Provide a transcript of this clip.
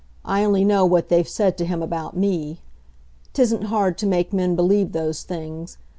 I only know what they've said to him about me. 'Tisn't hard to make men believe those things.